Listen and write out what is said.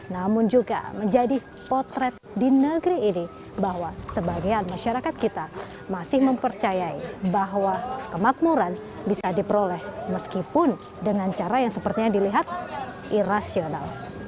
namun juga menjadi potret di negeri ini bahwa sebagian masyarakat kita masih mempercayai bahwa kemakmuran bisa diperoleh meskipun dengan cara yang sepertinya dilihat irasional